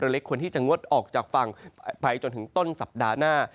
เล็กควรที่จะงดออกจากฝั่งไปจนถึงต้นสัปดาห์หน้า